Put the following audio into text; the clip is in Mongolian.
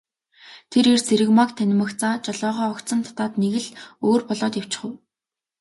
Тэр эр Цэрэгмааг танимагцаа жолоогоо огцом татаад нэг л өөр болоод явчхав.